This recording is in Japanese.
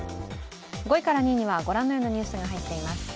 ５位から２位にはご覧のようなニュースが入っています。